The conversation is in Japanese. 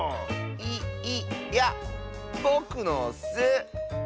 い・い・やぼくのッス！